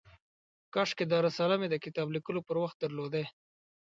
کاشکي دا رساله مې د کتاب لیکلو پر وخت درلودای.